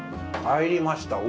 参りました。